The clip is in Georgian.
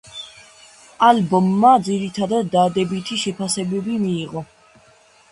ალბომმა ძირითადად დადებითი შეფასებები მიიღო.